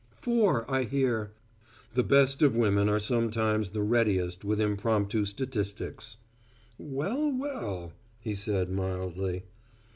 "Four, I hear." The best of women are sometimes the readiest with impromptu statistics. "Well, well!" he said, mildly.